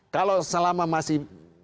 kalau selama masih